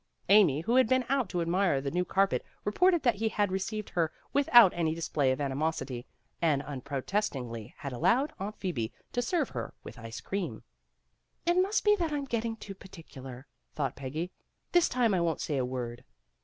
Amy, who had been out to admire the new carpet, reported that he had received her without any display of animosity, and unprotestingly had allowed Aunt Phoebe to serve her with ice cream. "It must be that I'm getting too particular," thought Peggy. "This time I won't say a word."